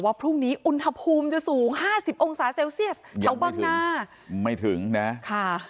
ว่าพรุ่งนี้อุณหภูมิจะสูง๕๐องศาเซลเซียสแถวบางนายังไม่ถึงนะ